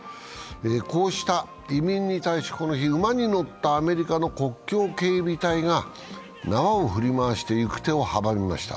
こうした移民に対し、この日、馬に乗ったアメリカの国境警備隊が縄を振り回して行く手を阻みました。